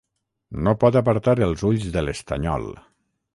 No pot apartar els ulls de l'estanyol.